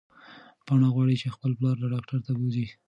پاڼه غواړي چې خپل پلار ډاکټر ته بوځي.